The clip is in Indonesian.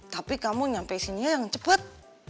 tapi kamu nyampe sini ya yang cepet